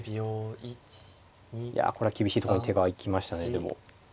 いやこれは厳しいとこに手が行きましたねでも。